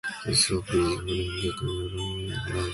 The slope is fairly gentle all along the river.